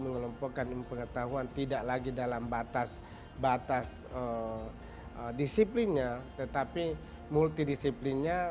melemputkan pengetahuan tidak lagi dalam batas batas disiplinnya tetapi multi disiplinnya